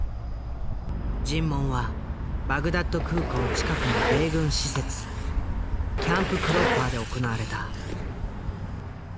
尋問はバグダッド空港近くの米軍施設キャンプ・クロッパーで行われた。